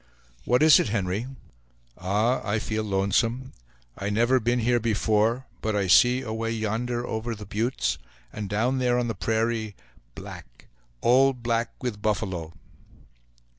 "What is it, Henry?" "Ah, I feel lonesome; I never been here before; but I see away yonder over the buttes, and down there on the prairie, black all black with buffalo!"